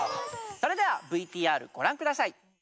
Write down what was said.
それではＶＴＲご覧下さい。